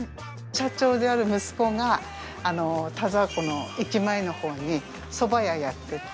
社長である息子が田沢湖の駅前のほうに蕎麦屋やってて。